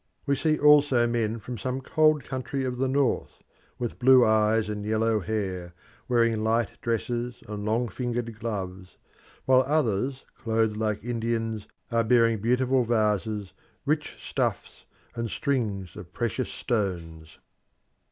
We see also men from some cold country of the North, with blue eyes and yellow hair, wearing light dresses and long fingered gloves, while others clothed like Indians are bearing beautiful vases, rich stuffs, and strings of precious stones.